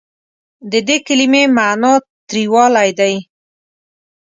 د دې کلمې معني تریوالی دی.